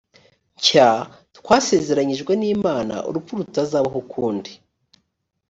nshya twasezeranyijwe n imana urupfu rutazabaho ukundi